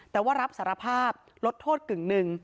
แต่ว่ารับสารภาพลดโทษกึ่งหนึ่ง